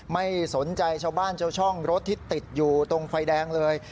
ไม่สนใจชาวบ้านชาวช่องรถที่ติดอยู่ตรงไฟแดงเลย